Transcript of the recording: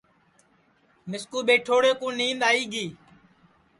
مِسکُو ٻیٹھوڑے کُو نِینٚدؔ آئی گی